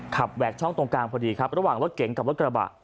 แหวกช่องตรงกลางพอดีครับระหว่างรถเก๋งกับรถกระบะ